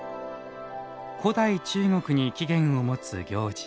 古代中国に起源を持つ行事。